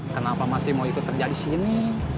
kenapa masih mau ikut kerja di sini